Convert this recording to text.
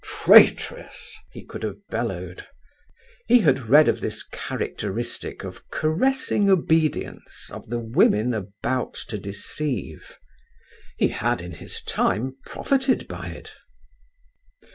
Traitress! he could have bellowed. He had read of this characteristic of caressing obedience of the women about to deceive. He had in his time profited by it.